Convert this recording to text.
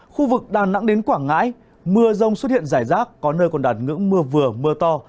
khu vực đà nẵng đến quảng ngãi mưa rông xuất hiện rải rác có nơi còn đạt ngưỡng mưa vừa mưa to